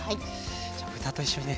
じゃあ豚と一緒にね